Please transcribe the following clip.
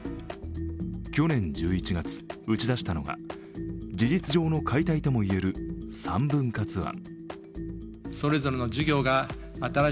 去年１１月打ち出したのが事実上の解体ともいえる３分割案。